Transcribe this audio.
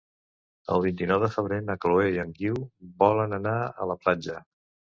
El vint-i-nou de febrer na Chloé i en Guiu volen anar a la platja.